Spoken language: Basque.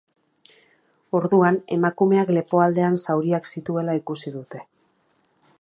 Orduan, emakumeak lepoaldean zauriak zituela ikusi dute.